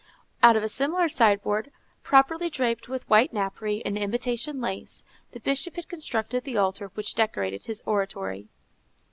Out of a similar sideboard, properly draped with white napery and imitation lace, the Bishop had constructed the altar which decorated his oratory.